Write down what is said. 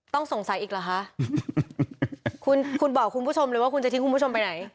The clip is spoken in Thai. ต้องสงสัยอีกเหรอคะคุณคุณบอกคุณผู้ชมเลยว่าคุณจะทิ้งคุณผู้ชมไปไหน